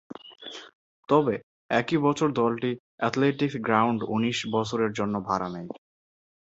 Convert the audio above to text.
তবে, একই বছর দলটি অ্যাথলেটিক গ্রাউন্ড উনিশ বছরের জন্য ভাড়া নেয়।